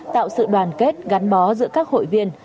tạo sự đoàn kết gắn bó giữa các hội viên